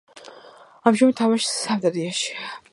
ამჟამად თამაშობს „სამტრედიაში“.